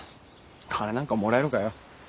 金なんかもらえるかよ。